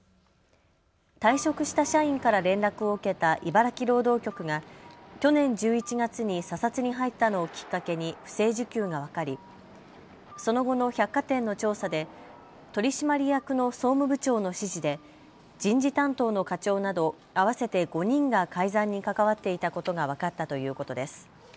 退職した社員から連絡を受けた茨城労働局が去年１１月に査察に入ったのをきっかけに不正受給が分かりその後の百貨店の調査で取締役の総務部長の指示で人事担当の課長など合わせて５人が改ざんに関わっていたことが分かったということです。